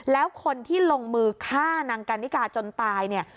แล้วคนที่ลงมือฆ่านางกันนิกาจนตายเนี่ย